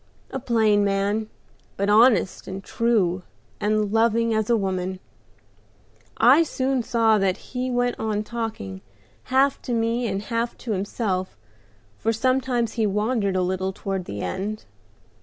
A plain man, but honest and true, and loving as a woman; I soon saw that as he went on talking, half to me and half to himself, for sometimes he wandered a little toward the end.